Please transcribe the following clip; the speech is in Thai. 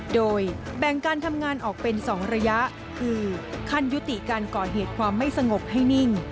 โดยแบ่งการทำงานออกเป็น๒ระยะคือขั้นยุติการก่อเหตุความไม่สงบให้นิ่ง